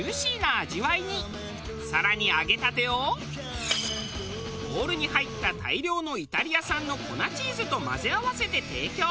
更に揚げたてをボウルに入った大量のイタリア産の粉チーズと混ぜ合わせて提供。